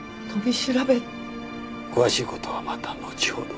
詳しいことはまた後ほど。